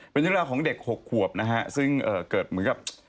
เป็นเรื่องราวของเด็ก๖ขวบนะฮะซึ่งเกิดเหมือนกับ